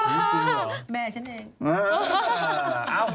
แม่ฉันเอง